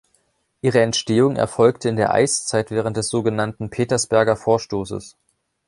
Ihre Entstehung erfolgte in der Eiszeit während des so genannten Petersberger Vorstoßes.